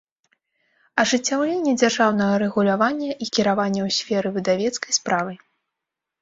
Ажыццяўленне дзяржаўнага рэгулявання i кiравання ў сферы выдавецкай справы